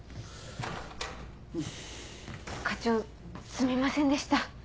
課長すみませんでした。